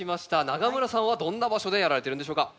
永村さんはどんな場所でやられてるんでしょうか？